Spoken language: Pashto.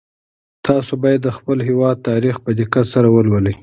تاسو باید د خپل هېواد تاریخ په دقت سره ولولئ.